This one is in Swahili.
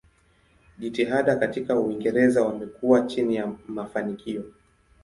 Jitihada katika Uingereza wamekuwa chini ya mafanikio.